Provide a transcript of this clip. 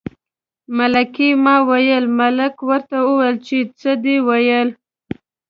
ملکه ما ویل، ملک ورته وویل چې څه دې ویل.